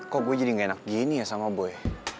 kok gue jadi gak enak gini ya sama boy